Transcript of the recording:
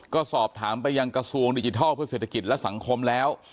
ก็สอบถามไปยังกระทรวงดิจิทัลเพื่อเศรษฐกิจและสังคมแล้ว